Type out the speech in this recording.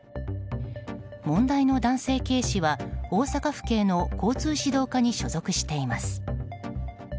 問題の男性警視は大阪府警の交通指導課に所属しています。